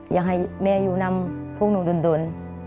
อยากให้แม่อยู่นำพวกหนูดน